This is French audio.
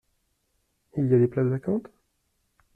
Il y a des places vacantes ?